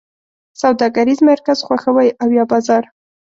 سوداګریز مرکز خوښوی او یا بازار؟